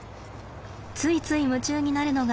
ついつい夢中になるのが。